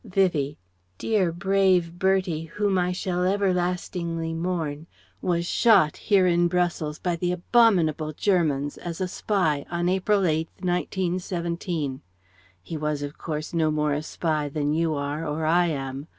Vivie: "Dear, brave Bertie, whom I shall everlastingly mourn, was shot here in Brussels by the abominable Germans, as a spy, on April 8th, 1917. He was of course no more a spy than you are or I am.